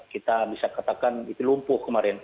kita bisa katakan itu lumpuh kemarin